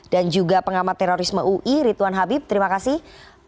dan juga pengamat terorisme ui ritwan habib terima kasih